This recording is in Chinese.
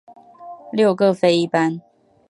六各飞一班。